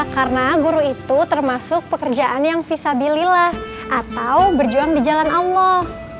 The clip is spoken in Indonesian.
karena guru itu termasuk pekerjaan yang visabilillah atau berjuang di jalan allah